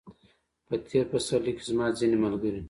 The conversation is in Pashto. په تېر پسرلي کې زما ځینې ملګري